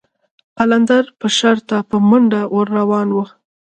قلندر به شر ته په منډه ور روان و.